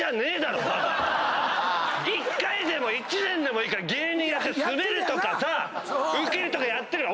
１回でも１年でもいいから芸人やってスベるとかさウケるとかやってるなら。